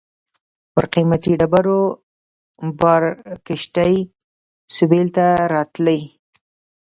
پر قیمتي ډبرو بار کښتۍ سېویل ته راتلې.